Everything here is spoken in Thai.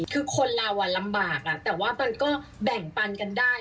คือคนเราลำบากแต่ว่ามันก็แบ่งปันกันได้